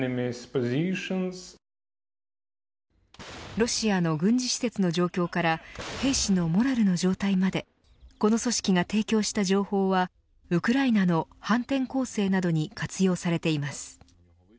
ロシアの軍事施設の状況から兵士のモラルの状態までこの組織が提供した情報はウクライナの反転攻勢などに活用されています。